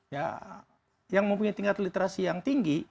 ya yang mempunyai tingkat literasi yang tinggi